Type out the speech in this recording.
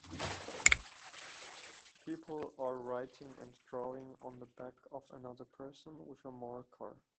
People are writing and drawing on the back of another person with a marker.